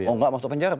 oh tidak masuk penjara